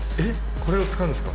これを使うんですか？